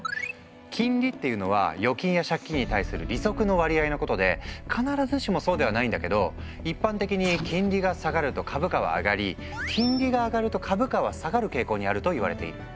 金利っていうのは預金や借金に対する利息の割合のことで必ずしもそうではないんだけど一般的に金利が下がると株価は上がり金利が上がると株価は下がる傾向にあるといわれている。